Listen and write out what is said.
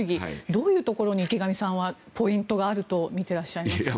どういうところに池上さんはポイントがあると見ていますか？